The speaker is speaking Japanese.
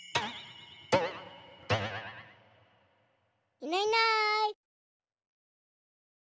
いないいない。